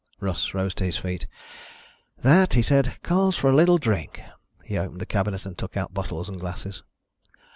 Russ rose to his feet. "That," he said, "calls for a little drink." He opened a cabinet and took out bottles and glasses.